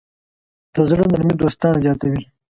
د زړۀ نرمي دوستان زیاتوي.